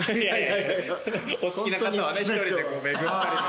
いやお好きな方はね１人で巡ったり。